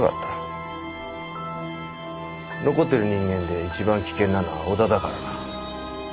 残ってる人間で一番危険なのは小田だからな。